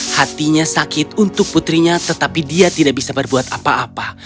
hatinya sakit untuk putrinya tetapi dia tidak bisa berbuat apa apa